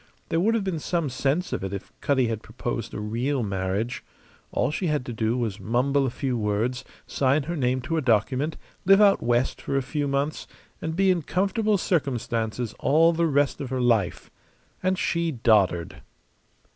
There would have been some sense of it if Cutty had proposed a real marriage. All she had to do was mumble a few words, sign her name to a document, live out West for a few months, and be in comfortable circumstances all the rest of her life. And she doddered!